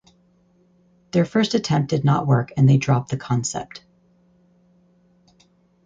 Their first attempt did not work and they dropped the concept.